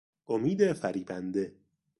امید فریبنده